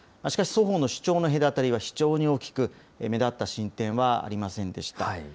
しかし、双方の主張の隔たりは非常に大きく、目立った進展はありませんでした。